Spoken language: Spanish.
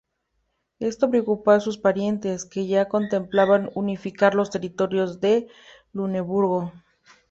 Esto preocupó a sus parientes, que ya contemplaban unificar los territorios de Luneburgo.